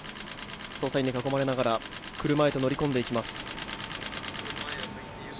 捜査員に囲まれながら車へと乗りこんでいきます。